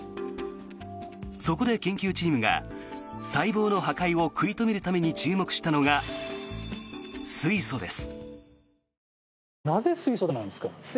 そこで研究チームが細胞の破壊を食い止めるために注目したのが水素です。